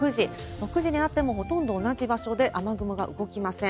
６時になっても、もうほとんど同じ場所で雨雲が動きません。